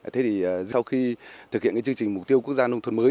thế thì sau khi thực hiện chương trình mục tiêu quốc gia nông thuận mới